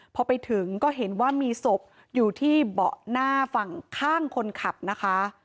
พอไปถึงก็เห็นว่ามีศพอยู่ที่เบาะหน้าฝั่งข้างคนขับนะคะ